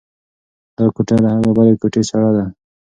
دا کوټه له هغې بلې کوټې سړه ده.